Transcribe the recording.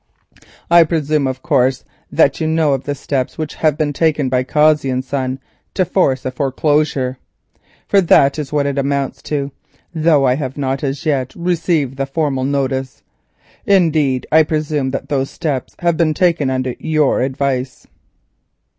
I presume of course that you know of the steps which have been taken by Cossey and Son to force a foreclosure, for that is what it amounts to, though I have not as yet received the formal notice; indeed, I suppose that those steps have been taken under your advice."